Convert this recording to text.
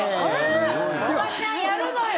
おばちゃんやるのよ！